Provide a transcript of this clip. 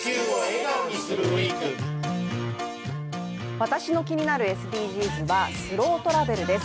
私の気になるＳＤＧｓはスロートラベルです。